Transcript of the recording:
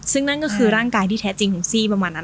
ซึ่งนั่นก็คือร่างกายที่แท้จริงของซี่ประมาณนั้น